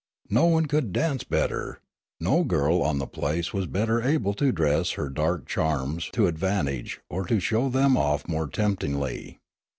No one could dance better; no girl on the place was better able to dress her dark charms to advantage or to show them off more temptingly.